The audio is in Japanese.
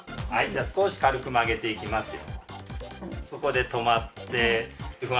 じゃあ少し軽く曲げていきますよ。